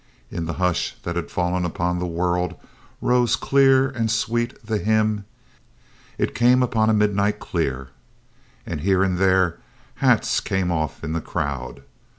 In the hush that had fallen upon the world rose clear and sweet the hymn, "It came upon a midnight clear," and here and there hats came off in the crowd.